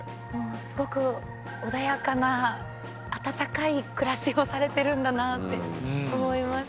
すごく穏やかな温かい暮らしをされてるんだなって思いました。